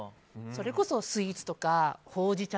それこそスイーツとかほうじ茶